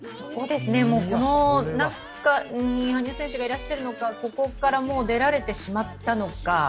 この中に羽生選手がいらっしゃるのか、ここから出られてしまったのか